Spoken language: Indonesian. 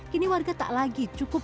kini warga tak lagi cukup